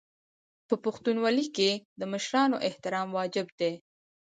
په پښتونولۍ کې د مشرانو احترام واجب دی.